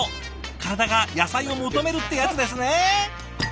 体が野菜を求めるってやつですね。